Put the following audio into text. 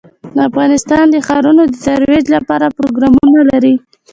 افغانستان د ښارونو د ترویج لپاره پروګرامونه لري.